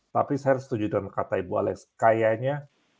tapi saya setuju dengan kata ibu alex kayaknya